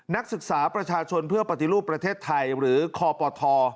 นักศึกษาประชาชนเพื่อปฏิรูปประเทศไทยหรือคปท